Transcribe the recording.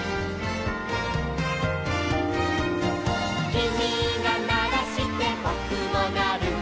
「きみがならしてぼくもなる」